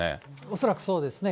恐らくそうですね。